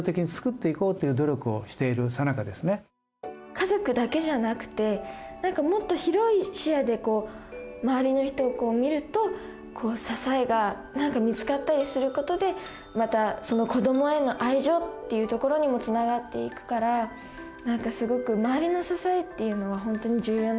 家族だけじゃなくて何かもっと広い視野で周りの人を見ると支えが何か見つかったりすることでまたその子どもへの愛情っていうところにもつながっていくから何かすごく周りの支えっていうのは本当に重要なんだなって思いました。